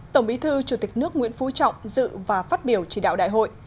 tổng bí thư chủ tịch nước nguyễn phú trọng dự và phát biểu chỉ đạo đại hội